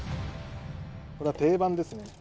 これは定番ですね。